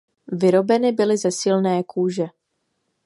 Vyrobeny byly ze silné kůže.